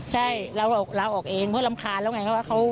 ใช่เราลาออกเองเพราะรำคาญแล้วไง